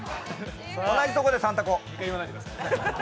同じところで３タコ。